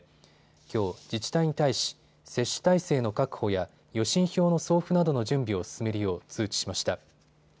きょう、自治体に対し接種体制の確保や予診票の送付などの準備を進めるよう通知しました。